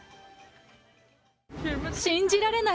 信じられない！